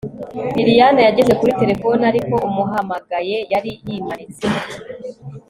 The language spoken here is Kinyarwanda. lilian yageze kuri terefone, ariko umuhamagaye yari yimanitse